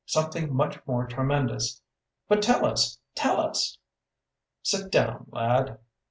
Something much more tremendous!" "But tell us, tell us!" "Sit down, lad!"